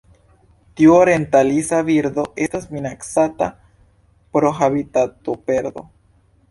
Tiu orientalisa birdo estas minacata pro habitatoperdo.